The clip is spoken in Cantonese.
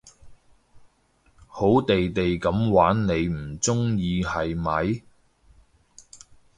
好地地噉玩你唔中意係咪？